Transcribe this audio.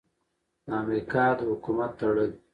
د امریکا د حکومت تړل: